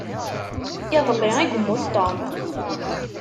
Iḍelli i yemmut Tom.